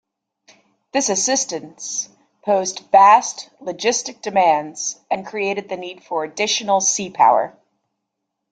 This assistance posed vast logistic demands and created the need for additional sea power.